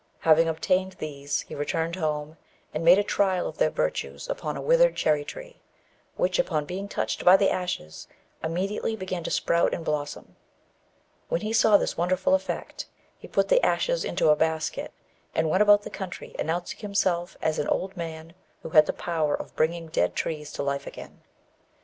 Having obtained these, he returned home, and made a trial of their virtues upon a withered cherry tree, which, upon being touched by the ashes, immediately began to sprout and blossom. When he saw this wonderful effect, he put the ashes into a basket, and went about the country, announcing himself as an old man who had the power of bringing dead trees to life again.